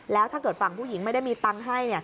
แล้วถ้าเกิดฝั่งผู้หญิงไม่ได้มีตังค์ให้